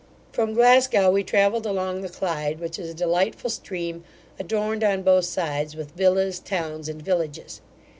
From Glasgow we travelled along the Clyde, which is a delightful stream, adorned on both sides with villas, towns, and villages.